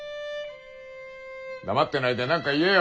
黙ってないで何か言えよ。